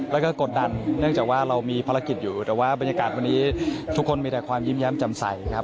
แล้วก็กดดันเนื่องจากว่าเรามีภารกิจอยู่แต่ว่าบรรยากาศวันนี้ทุกคนมีแต่ความยิ้มแย้มจำใสครับ